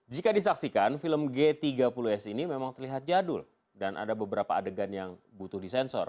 jika disaksikan film g tiga puluh s ini memang terlihat jadul dan ada beberapa adegan yang butuh disensor